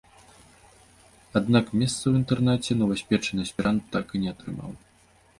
Аднак месца ў інтэрнаце новаспечаны аспірант так і не атрымаў.